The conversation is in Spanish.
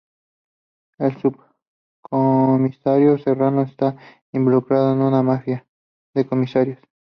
El subcomisario Serrano está involucrado en una "mafia" de comisarios.